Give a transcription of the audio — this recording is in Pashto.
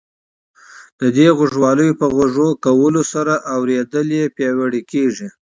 د دې غوږوالیو په غوږ کولو سره اورېدل یې پیاوړي کیږي.